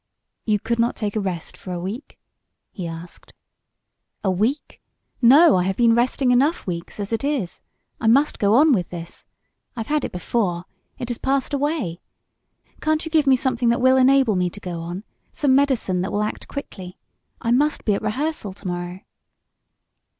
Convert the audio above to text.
"You could not take a rest for a week?" he asked. "A week? No! I have been 'resting' enough weeks as it is. I must go on with this. I've had it before. It has passed away. Can't you give me something that will enable me to go on some medicine that will act quickly? I must be at rehearsal to morrow."